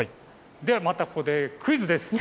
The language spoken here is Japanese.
またここでクイズです。